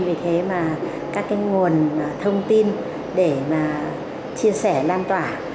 vì thế các nguồn thông tin để chia sẻ lan tỏa